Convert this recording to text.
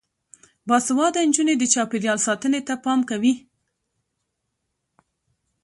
باسواده نجونې د چاپیریال ساتنې ته پام کوي.